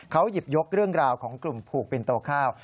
เขาหยิบยกเรื่องราวของกลุ่มผูกปินโตข้าว